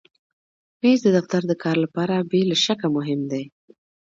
مېز د دفتر د کار لپاره بې له شکه مهم دی.